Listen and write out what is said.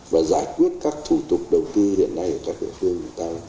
và giải quyết các thủ tục đầu tiên hiện nay ở các địa phương